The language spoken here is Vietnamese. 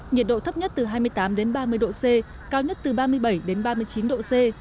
nhiệt độ thấp nhất từ hai mươi tám đến ba mươi độ c cao nhất từ ba mươi bảy đến ba mươi chín độ c